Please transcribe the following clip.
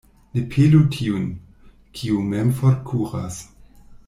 Ne pelu tiun, kiu mem forkuras.